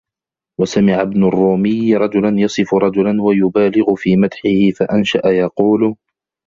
وَسَمِعَ ابْنُ الرُّومِيِّ رَجُلًا يَصِفُ رَجُلًا وَيُبَالِغُ فِي مَدْحِهِ فَأَنْشَأَ يَقُولُ